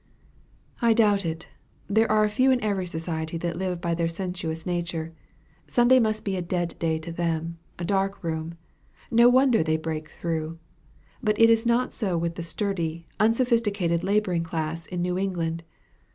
"I doubt it. There are a few in every society that live by their sensuous nature. Sunday must be a dead day to them a dark room. No wonder they break through. But it is not so with the sturdy, unsophisticated laboring class in New England.